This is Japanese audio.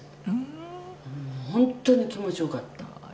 「本当に気持ちよかった」